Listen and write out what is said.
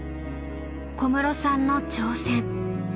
小室さんの挑戦。